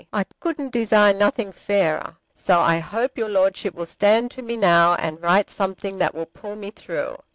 I couldn't desire nothing fairer. So I hope your Lordship will stand to me now, and write something that will pull me through.